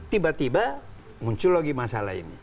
tiba tiba muncul lagi masalah ini